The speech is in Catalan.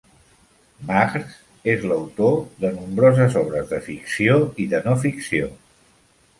Magrs és l'autor de nombroses obres de ficció i de no-ficció.